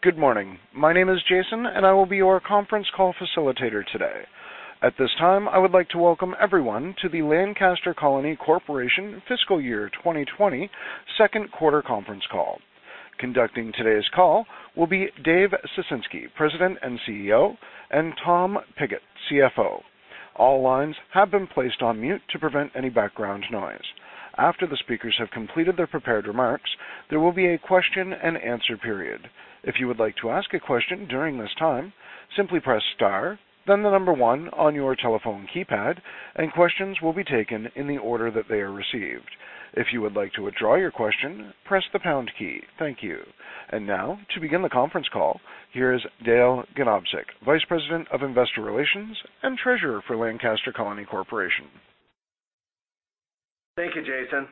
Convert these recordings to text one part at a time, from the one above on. Good morning. My name is Jason, and I will be your conference call facilitator today. At this time, I would like to welcome everyone to the Lancaster Colony Corporation Fiscal Year 2020 Second Quarter Conference Call. Conducting today's call will be Dave Ciesinski, President and CEO, and Tom Pigott, CFO. All lines have been placed on mute to prevent any background noise. After the speakers have completed their prepared remarks, there will be a question-and-answer period. If you would like to ask a question during this time, simply press star, then the number one on your telephone keypad, and questions will be taken in the order that they are received. If you would like to withdraw your question, press the pound key. Thank you. Now, to begin the conference call, here is Dale Ganobsik, Vice President of Investor Relations and Treasurer for Lancaster Colony Corporation. Thank you, Jason.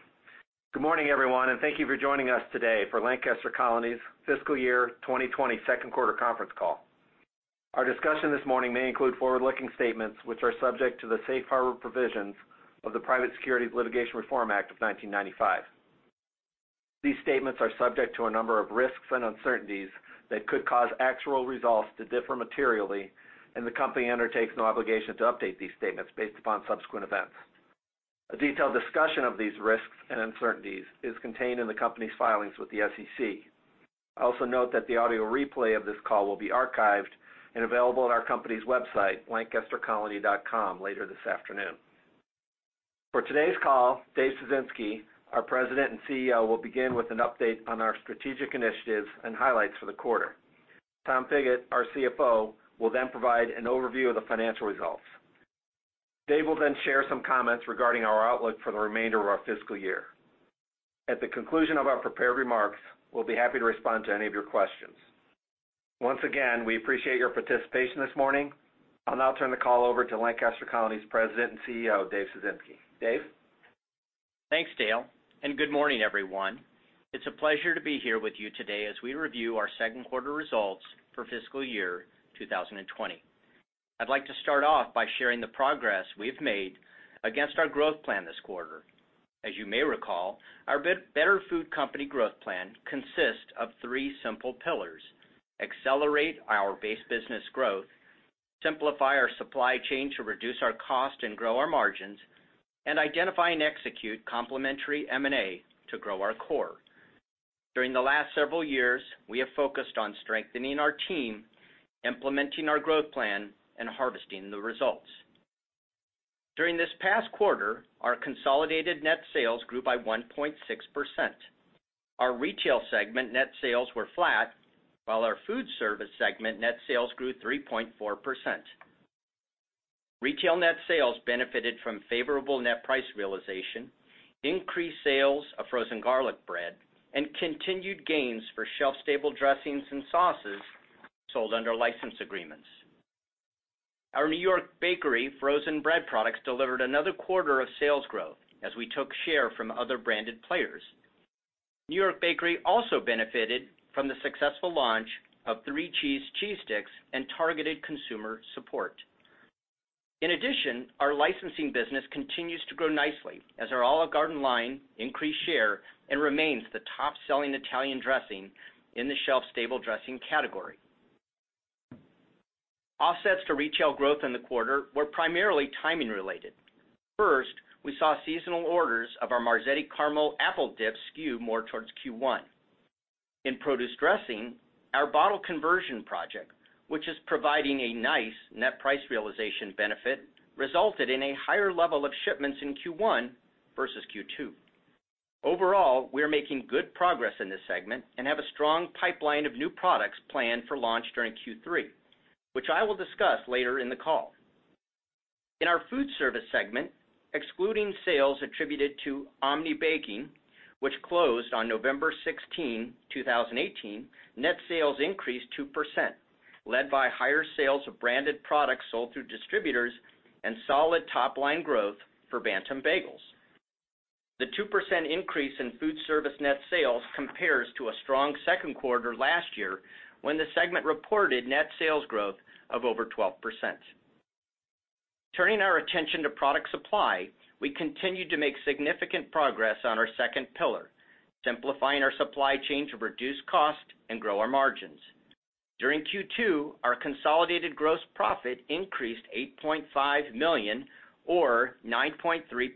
Good morning, everyone, and thank you for joining us today for Lancaster Colony's Fiscal Year 2020 Second Quarter Conference Call. Our discussion this morning may include forward-looking statements which are subject to the Safe Harbor Provisions of the Private Securities Litigation Reform Act of 1995. These statements are subject to a number of risks and uncertainties that could cause actual results to differ materially, and the company undertakes no obligation to update these statements based upon subsequent events. A detailed discussion of these risks and uncertainties is contained in the company's filings with the SEC. I also note that the audio replay of this call will be archived and available at our company's website, lancastercolony.com, later this afternoon. For today's call, Dave Ciesinski, our President and CEO, will begin with an update on our strategic initiatives and highlights for the quarter. Tom Pickett, our CFO, will then provide an overview of the financial results. Dave will then share some comments regarding our outlook for the remainder of our fiscal year. At the conclusion of our prepared remarks, we'll be happy to respond to any of your questions. Once again, we appreciate your participation this morning. I'll now turn the call over to Lancaster Colony's President and CEO, Dave Ciesinski. Dave? Thanks, Dale, and good morning, everyone. It's a pleasure to be here with you today as we review our second quarter results for fiscal year 2020. I'd like to start off by sharing the progress we've made against our growth plan this quarter. As you may recall, our Better Food Company growth plan consists of three simple pillars: accelerate our base business growth, simplify our supply chain to reduce our cost and grow our margins, and identify and execute complementary M&A to grow our core. During the last several years, we have focused on strengthening our team, implementing our growth plan, and harvesting the results. During this past quarter, our consolidated net sales grew by 1.6%. Our Retail segment net sales were flat, while our Foodservice segment net sales grew 3.4%. Retail net sales benefited from favorable net price realization, increased sales of frozen garlic bread, and continued gains for shelf-stable dressings and sauces sold under license agreements. Our New York Bakery frozen bread products delivered another quarter of sales growth as we took share from other branded players. New York Bakery also benefited from the successful launch of Three Cheese Cheese Sticks and targeted consumer support. In addition, our licensing business continues to grow nicely as our Olive Garden line increased share and remains the top-selling Italian dressing in the shelf-stable dressing category. Offsets to Retail growth in the quarter were primarily timing-related. First, we saw seasonal orders of our Marzetti Caramel Apple Dip skew more towards Q1. In produce dressing, our bottle conversion project, which is providing a nice net price realization benefit, resulted in a higher level of shipments in Q1 versus Q2. Overall, we're making good progress in this segment and have a strong pipeline of new products planned for launch during Q3, which I will discuss later in the call. In our Foodservice segment, excluding sales attributed to Omni Baking, which closed on November 16, 2018, net sales increased 2%, led by higher sales of branded products sold through distributors and solid top-line growth for Bantam Bagels. The 2% increase in Foodservice net sales compares to a strong second quarter last year when the segment reported net sales growth of over 12%. Turning our attention to product supply, we continue to make significant progress on our second pillar, simplifying our supply chain to reduce cost and grow our margins. During Q2, our consolidated gross profit increased $8.5 million, or 9.3%,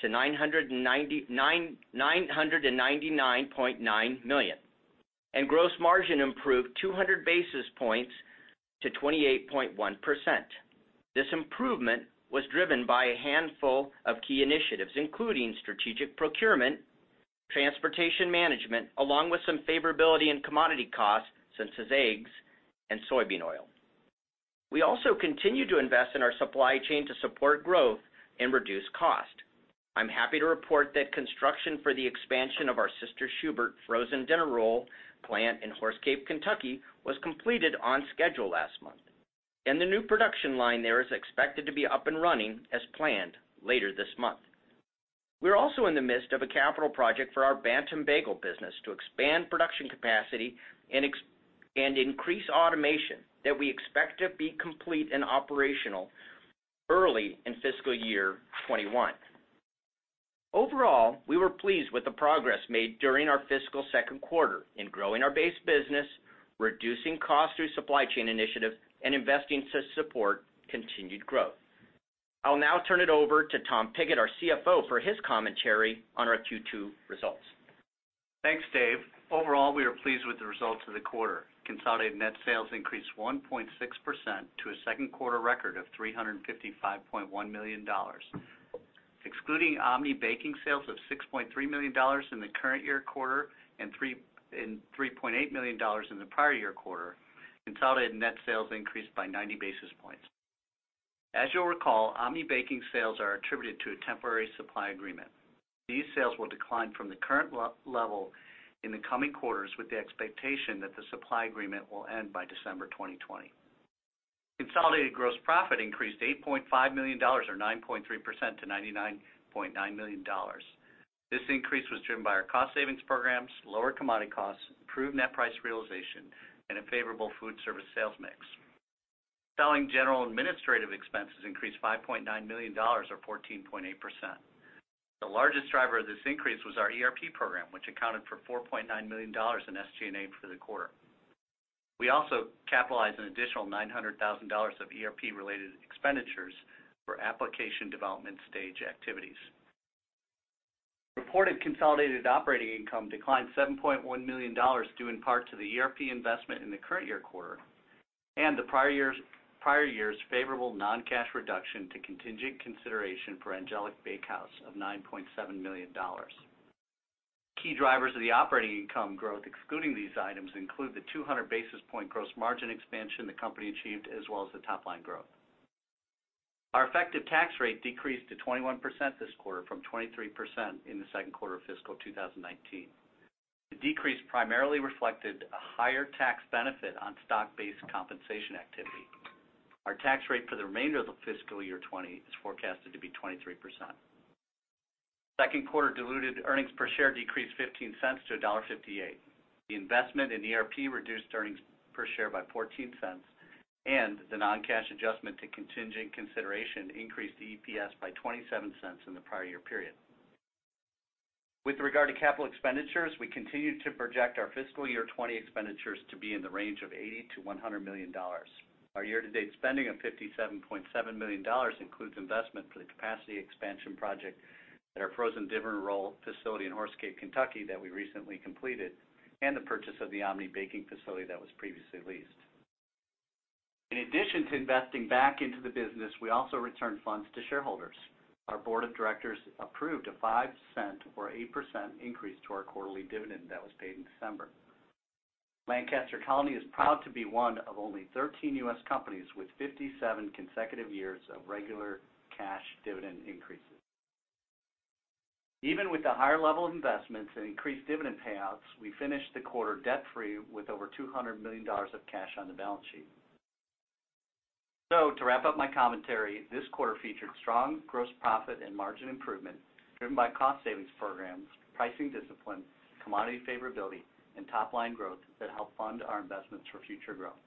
to $999.9 million, and gross margin improved 200 basis points to 28.1%. This improvement was driven by a handful of key initiatives, including strategic procurement, transportation management, along with some favorability in commodity costs such as eggs and soybean oil. We also continue to invest in our supply chain to support growth and reduce cost. I'm happy to report that construction for the expansion of our Sister Schubert's frozen dinner roll plant in Horse Cave, Kentucky, was completed on schedule last month, and the new production line there is expected to be up and running as planned later this month. We're also in the midst of a capital project for our Bantam Bagels business to expand production capacity and increase automation that we expect to be complete and operational early in fiscal year 2021. Overall, we were pleased with the progress made during our fiscal second quarter in growing our base business, reducing costs through supply chain initiatives, and investing to support continued growth. I'll now turn it over to Tom Pigott, our CFO, for his commentary on our Q2 results. Thanks, Dave. Overall, we are pleased with the results of the quarter. Consolidated net sales increased 1.6% to a second quarter record of $355.1 million. Excluding Omni Baking sales of $6.3 million in the current year quarter and $3.8 million in the prior year quarter, consolidated net sales increased by 90 basis points. As you'll recall, Omni Baking sales are attributed to a temporary supply agreement. These sales will decline from the current level in the coming quarters with the expectation that the supply agreement will end by December 2020. Consolidated gross profit increased $8.5 million, or 9.3%, to $99.9 million. This increase was driven by our cost savings programs, lower commodity costs, improved net price realization, and a favorable Foodservice sales mix. Selling general administrative expenses increased $5.9 million, or 14.8%. The largest driver of this increase was our ERP program, which accounted for $4.9 million in SG&A for the quarter. We also capitalized an additional $900,000 of ERP-related expenditures for application development stage activities. Reported consolidated operating income declined $7.1 million, due in part to the ERP investment in the current year quarter and the prior year's favorable non-cash reduction to contingent consideration for Angelic Bakehouse of $9.7 million. Key drivers of the operating income growth, excluding these items, include the 200 basis point gross margin expansion the company achieved, as well as the top-line growth. Our effective tax rate decreased to 21% this quarter from 23% in the second quarter of fiscal 2019. The decrease primarily reflected a higher tax benefit on stock-based compensation activity. Our tax rate for the remainder of the fiscal year 2020 is forecasted to be 23%. Second quarter diluted earnings per share decreased $0.15 to $1.58. The investment in ERP reduced earnings per share by $0.14, and the non-cash adjustment to contingent consideration increased EPS by $0.27 in the prior year period. With regard to capital expenditures, we continue to project our fiscal year 2020 expenditures to be in the range of $80million-$100 million. Our year-to-date spending of $57.7 million includes investment for the capacity expansion project at our frozen dinner roll facility in Horse Cave, Kentucky, that we recently completed, and the purchase of the Omni Baking facility that was previously leased. In addition to investing back into the business, we also returned funds to shareholders. Our board of directors approved a 5% or 8% increase to our quarterly dividend that was paid in December. Lancaster Colony is proud to be one of only 13 U.S. companies with 57 consecutive years of regular cash dividend increases. Even with a higher level of investments and increased dividend payouts, we finished the quarter debt-free with over $200 million of cash on the balance sheet. To wrap up my commentary, this quarter featured strong gross profit and margin improvement driven by cost savings programs, pricing discipline, commodity favorability, and top-line growth that helped fund our investments for future growth.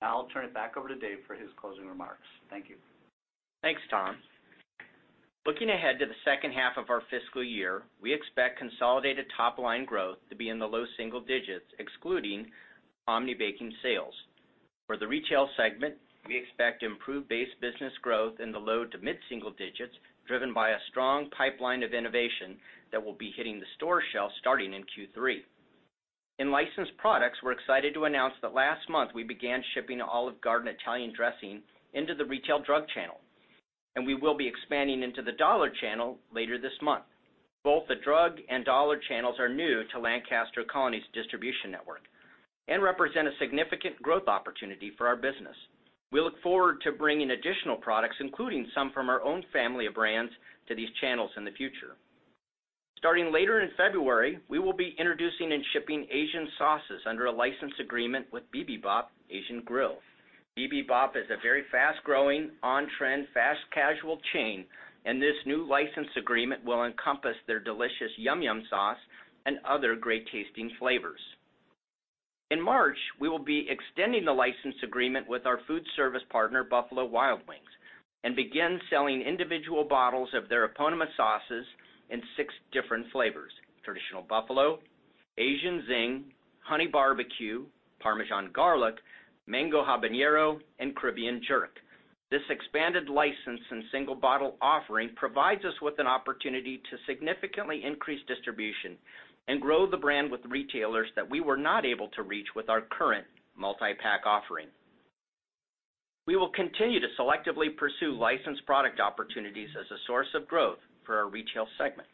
Now I'll turn it back over to Dave for his closing remarks. Thank you. Thanks, Tom. Looking ahead to the second half of our fiscal year, we expect consolidated top-line growth to be in the low single digits, excluding Omni Baking sales. For the Retail segment, we expect improved base business growth in the low to mid-single digits, driven by a strong pipeline of innovation that will be hitting the store shelves starting in Q3. In licensed products, we're excited to announce that last month we began shipping Olive Garden Italian dressing into the Retail drug channel, and we will be expanding into the dollar channel later this month. Both the drug and dollar channels are new to Lancaster Colony's distribution network and represent a significant growth opportunity for our business. We look forward to bringing additional products, including some from our own family of brands, to these channels in the future. Starting later in February, we will be introducing and shipping Asian sauces under a license agreement with BIBIBOP Asian Grill. BIBIBOP is a very fast-growing, on-trend, fast-casual chain, and this new license agreement will encompass their delicious Yum-Yum sauce and other great-tasting flavors. In March, we will be extending the license agreement with our Foodservice partner, Buffalo Wild Wings, and begin selling individual bottles of their eponymous sauces in six different flavors: traditional Buffalo, Asian Zing, honey barbecue, Parmesan garlic, mango habanero, and Caribbean jerk. This expanded license and single-bottle offering provides us with an opportunity to significantly increase distribution and grow the brand with retailers that we were not able to reach with our current multi-pack offering. We will continue to selectively pursue licensed product opportunities as a source of growth for our Retail segment.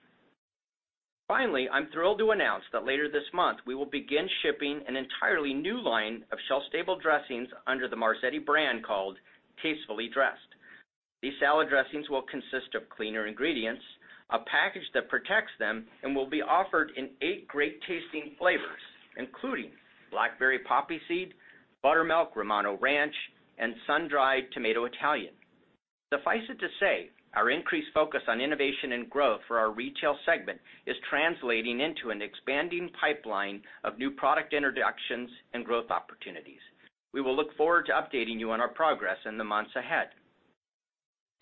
Finally, I'm thrilled to announce that later this month we will begin shipping an entirely new line of shelf-stable dressings under the Marzetti brand called Tastefully Dressed. These salad dressings will consist of cleaner ingredients, a package that protects them, and will be offered in eight great-tasting flavors, including Blackberry Poppy Seed, Buttermilk Romano Ranch, and Sun-Dried Tomato Italian. Suffice it to say, our increased focus on innovation and growth for our Retail segment is translating into an expanding pipeline of new product introductions and growth opportunities. We will look forward to updating you on our progress in the months ahead.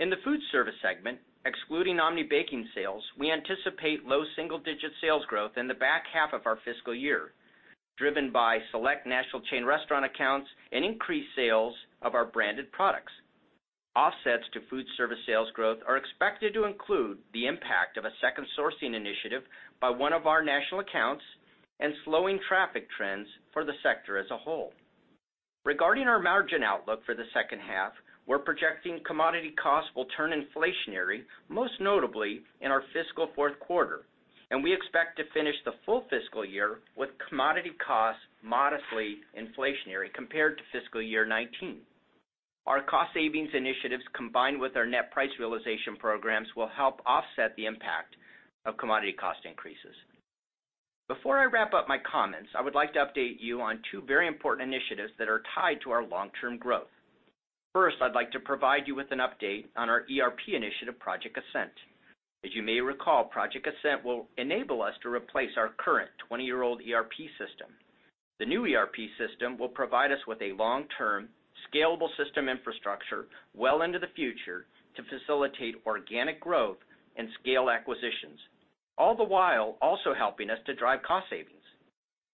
In the Foodservice segment, excluding Omni Baking sales, we anticipate low single-digit sales growth in the back half of our fiscal year, driven by select national chain restaurant accounts and increased sales of our branded products. Offsets to Foodservice sales growth are expected to include the impact of a second sourcing initiative by one of our national accounts and slowing traffic trends for the sector as a whole. Regarding our margin outlook for the second half, we're projecting commodity costs will turn inflationary, most notably in our fiscal fourth quarter, and we expect to finish the full fiscal year with commodity costs modestly inflationary compared to fiscal year 2019. Our cost savings initiatives, combined with our net price realization programs, will help offset the impact of commodity cost increases. Before I wrap up my comments, I would like to update you on two very important initiatives that are tied to our long-term growth. First, I'd like to provide you with an update on our ERP initiative, Project Ascent. As you may recall, Project Ascent will enable us to replace our current 20-year-old ERP system. The new ERP system will provide us with a long-term, scalable system infrastructure well into the future to facilitate organic growth and scale acquisitions, all the while also helping us to drive cost savings.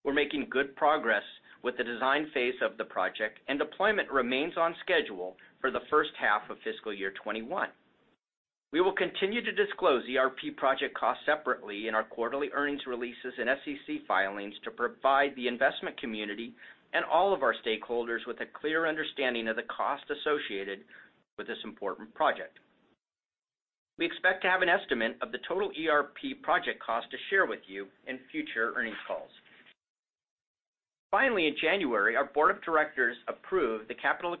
We're making good progress with the design phase of the project, and deployment remains on schedule for the first half of fiscal year 2021. We will continue to disclose ERP project costs separately in our quarterly earnings releases and SEC filings to provide the investment community and all of our stakeholders with a clear understanding of the cost associated with this important project. We expect to have an estimate of the total ERP project cost to share with you in future earnings calls. Finally, in January, our board of directors approved the capital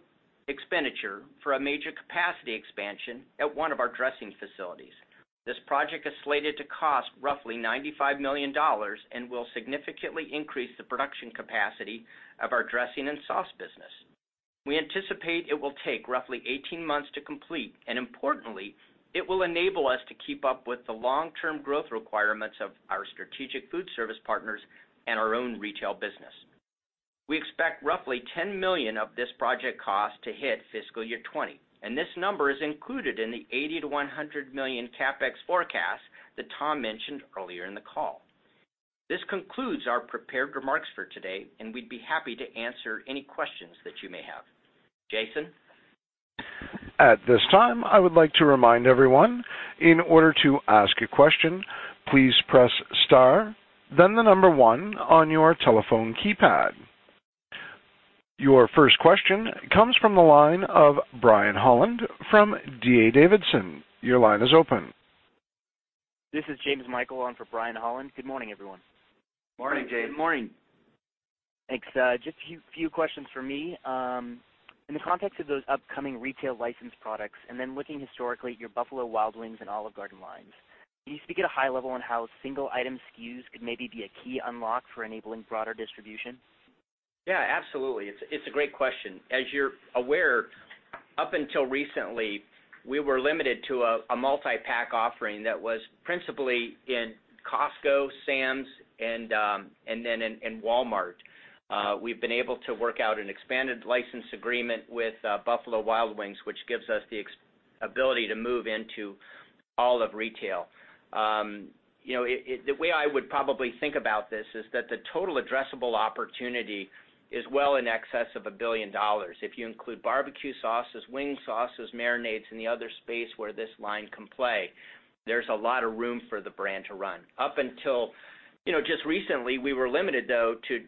expenditure for a major capacity expansion at one of our dressing facilities. This project is slated to cost roughly $95 million and will significantly increase the production capacity of our dressing and sauce business. We anticipate it will take roughly 18 months to complete, and importantly, it will enable us to keep up with the long-term growth requirements of our strategic Foodservice partners and our own Retail business. We expect roughly $10 million of this project cost to hit fiscal year 2020, and this number is included in the $80 million-$100 million CapEx forecast that Tom mentioned earlier in the call. This concludes our prepared remarks for today, and we'd be happy to answer any questions that you may have. Jason. At this time, I would like to remind everyone, in order to ask a question, please press star, then the number one on your telephone keypad. Your first question comes from the line of Brian Holland from D.A. Davidson. Your line is open. This is James Michael. I'm for Brian Holland. Good morning, everyone. Morning, James. Good morning. Thanks. Just a few questions for me. In the context of those upcoming Retail licensed products and then looking historically at your Buffalo Wild Wings and Olive Garden lines, can you speak at a high level on how single-item SKUs could maybe be a key unlock for enabling broader distribution? Yeah, absolutely. It's a great question. As you're aware, up until recently, we were limited to a multi-pack offering that was principally in Costco, Sam's, and then in Walmart. We've been able to work out an expanded license agreement with Buffalo Wild Wings, which gives us the ability to move into all of Retail. The way I would probably think about this is that the total addressable opportunity is well in excess of a billion dollars. If you include barbecue sauces, wing sauces, marinades, and the other space where this line can play, there's a lot of room for the brand to run. Up until just recently, we were limited, though, to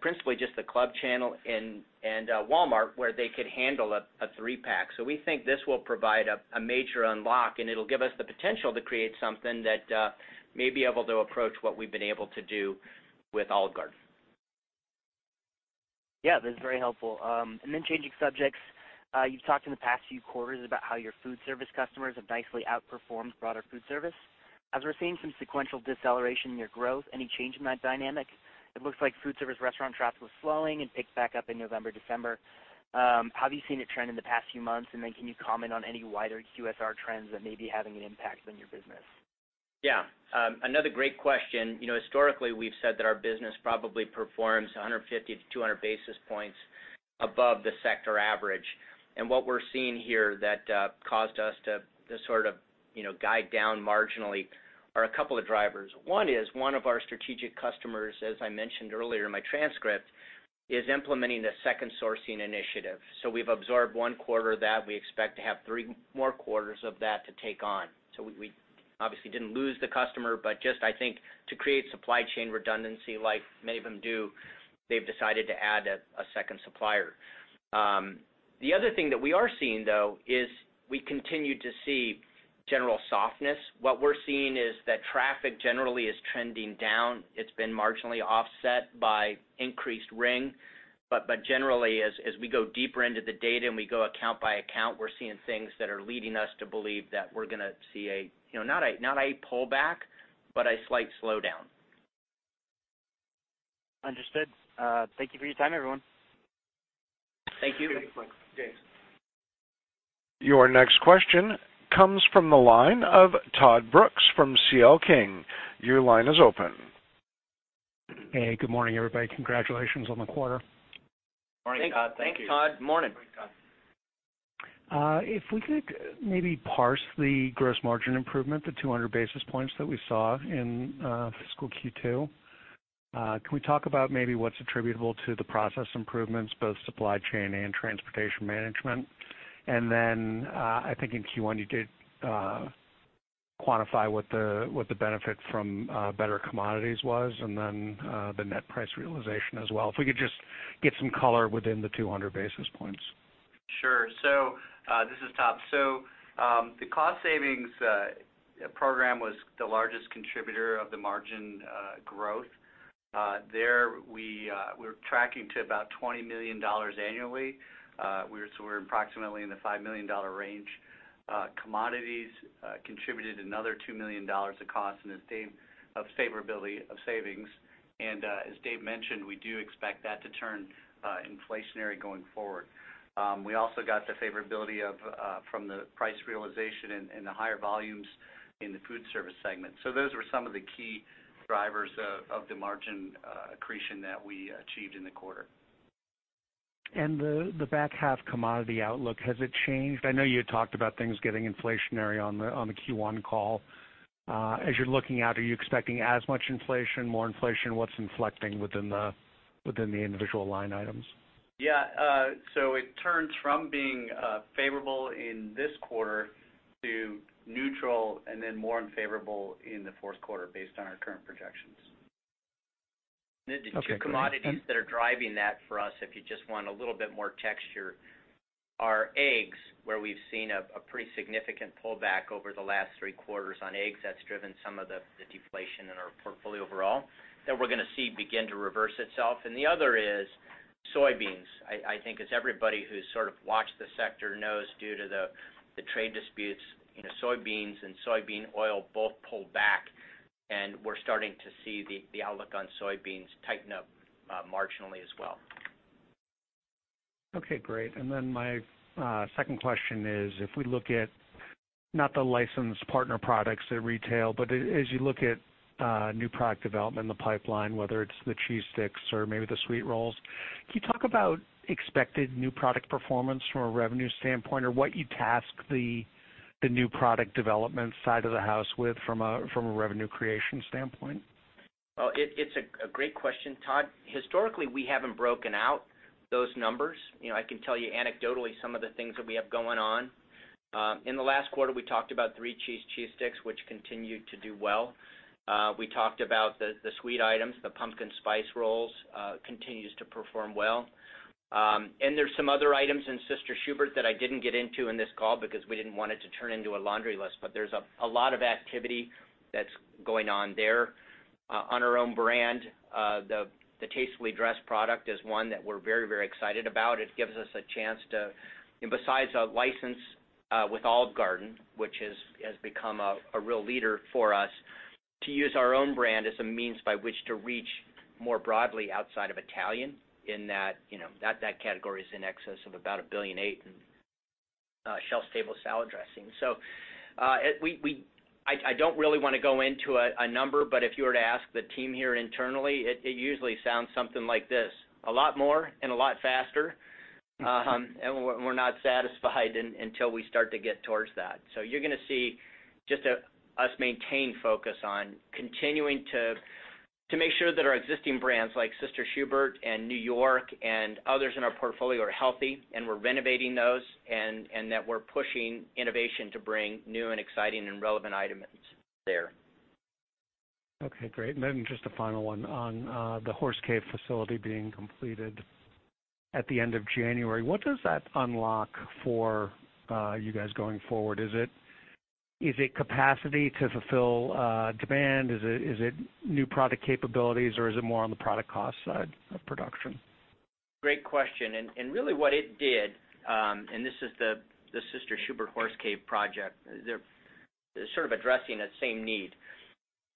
principally just the club channel and Walmart, where they could handle a three-pack. We think this will provide a major unlock, and it'll give us the potential to create something that may be able to approach what we've been able to do with Olive Garden. Yeah, this is very helpful. Changing subjects, you've talked in the past few quarters about how your Foodservice customers have nicely outperformed broader Foodservice. As we're seeing some sequential deceleration in your growth, any change in that dynamic? It looks like Foodservice restaurant traffic was slowing and picked back up in November, December. How have you seen it trend in the past few months? Can you comment on any wider QSR trends that may be having an impact on your business? Yeah. Another great question. Historically, we've said that our business probably performs 150 to 200 basis points above the sector average. What we're seeing here that caused us to sort of guide down marginally are a couple of drivers. One is one of our strategic customers, as I mentioned earlier in my transcript, is implementing a second sourcing initiative. We've absorbed one quarter of that. We expect to have three more quarters of that to take on. We obviously didn't lose the customer, but just I think to create supply chain redundancy, like many of them do, they've decided to add a second supplier. The other thing that we are seeing, though, is we continue to see general softness. What we're seeing is that traffic generally is trending down. It's been marginally offset by increased ring. Generally, as we go deeper into the data and we go account by account, we're seeing things that are leading us to believe that we're going to see not a pullback, but a slight slowdown. Understood. Thank you for your time, everyone. Thank you. James. Your next question comes from the line of Todd Brooks from C.L King. Your line is open. Hey, good morning, everybody. Congratulations on the quarter. Morning, Todd. Thank you. Thanks, Todd. Morning. Morning, Todd. If we could maybe parse the gross margin improvement, the 200 basis points that we saw in fiscal Q2, can we talk about maybe what's attributable to the process improvements, both supply chain and transportation management? I think in Q1, you did quantify what the benefit from better commodities was, and then the net price realization as well. If we could just get some color within the 200 basis points. Sure. So this is ToM. The cost savings program was the largest contributor of the margin growth. There we were tracking to about $20 million annually. We were approximately in the $5 million range. Commodities contributed another $2 million of cost and a state of favorability of savings. As Dave mentioned, we do expect that to turn inflationary going forward. We also got the favorability from the price realization and the higher volumes in the Foodservice segment. Those were some of the key drivers of the margin accretion that we achieved in the quarter. Has the back half commodity outlook changed? I know you had talked about things getting inflationary on the Q1 call. As you're looking out, are you expecting as much inflation, more inflation, what's inflecting within the individual line items? Yeah. It turns from being favorable in this quarter to neutral and then more unfavorable in the fourth quarter based on our current projections. The two commodities that are driving that for us, if you just want a little bit more texture, are eggs, where we've seen a pretty significant pullback over the last three quarters on eggs. That has driven some of the deflation in our portfolio overall that we're going to see begin to reverse itself. The other is soybeans. I think as everybody who's sort of watched the sector knows, due to the trade disputes, soybeans and soybean oil both pulled back, and we're starting to see the outlook on soybeans tighten up marginally as well. Okay, great. My second question is, if we look at not the licensed partner products at Retail, but as you look at new product development in the pipeline, whether it's the cheese sticks or maybe the sweet rolls, can you talk about expected new product performance from a revenue standpoint or what you task the new product development side of the house with from a revenue creation standpoint? It's a great question, Todd. Historically, we haven't broken out those numbers. I can tell you anecdotally some of the things that we have going on. In the last quarter, we talked about Three Cheese Cheese Sticks, which continued to do well. We talked about the sweet items, the pumpkin spice rolls continues to perform well. There are some other items in Sister Schubert's that I didn't get into in this call because we didn't want it to turn into a laundry list, but there's a lot of activity that's going on there. On our own brand, the Tastefully Dressed product is one that we're very, very excited about. It gives us a chance to, besides a license with Olive Garden, which has become a real leader for us, to use our own brand as a means by which to reach more broadly outside of Italian in that that category is in excess of about $1.8 billion in shelf-stable salad dressing. I do not really want to go into a number, but if you were to ask the team here internally, it usually sounds something like this: a lot more and a lot faster. We are not satisfied until we start to get towards that. You are going to see us maintain focus on continuing to make sure that our existing brands like Sister Schubert's and New York and others in our portfolio are healthy, and we are renovating those, and that we are pushing innovation to bring new and exciting and relevant items there. Okay, great. Just a final one on the Horse Cave facility being completed at the end of January. What does that unlock for you guys going forward? Is it capacity to fulfill demand? Is it new product capabilities, or is it more on the product cost side of production? Great question. Really what it did, and this is the Sister Schubert's Horse Cave project, is sort of addressing that same need.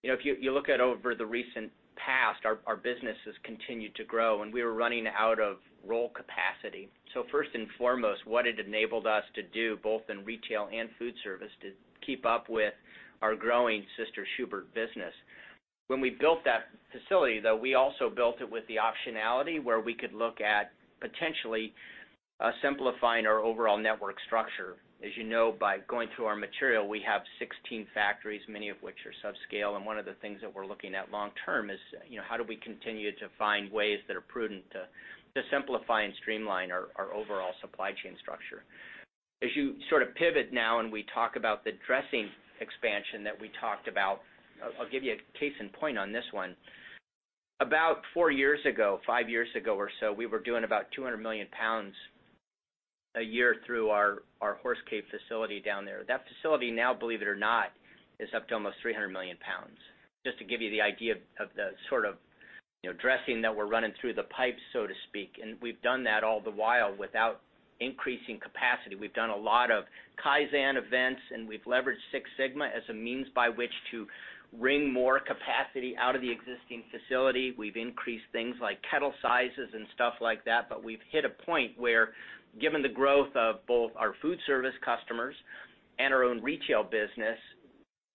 If you look at over the recent past, our business has continued to grow, and we were running out of roll capacity. First and foremost, what it enabled us to do, both in Retail and Foodservice, is to keep up with our growing Sister Schubert's business. When we built that facility, though, we also built it with the optionality where we could look at potentially simplifying our overall network structure. As you know, by going through our material, we have 16 factories, many of which are subscale. One of the things that we're looking at long term is how do we continue to find ways that are prudent to simplify and streamline our overall supply chain structure. As you sort of pivot now and we talk about the dressing expansion that we talked about, I'll give you a case in point on this one. About four years ago, five years ago or so, we were doing about 200 million pounds a year through our Horse Cave facility down there. That facility now, believe it or not, is up to almost 300 million pounds. Just to give you the idea of the sort of dressing that we're running through the pipes, so to speak. We have done that all the while without increasing capacity. We have done a lot of Kaizen events, and we have leveraged Six Sigma as a means by which to wring more capacity out of the existing facility. We've increased things like kettle sizes and stuff like that, but we've hit a point where, given the growth of both our Foodservice customers and our own Retail business,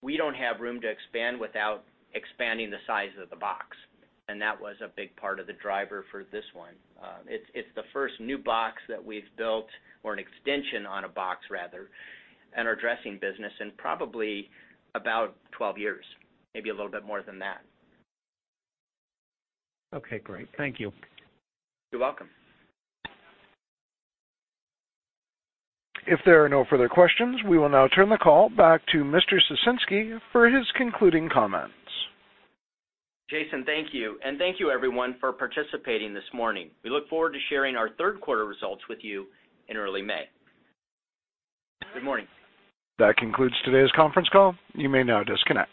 we don't have room to expand without expanding the size of the box. That was a big part of the driver for this one. It's the first new box that we've built or an extension on a box, rather, in our dressing business in probably about 12 years, maybe a little bit more than that. Okay, great. Thank you. You're welcome. If there are no further questions, we will now turn the call back to Mr. Ciesinski for his concluding comments. Jason, thank you. Thank you, everyone, for participating this morning. We look forward to sharing our third quarter results with you in early May. Good morning. That concludes today's conference call. You may now disconnect.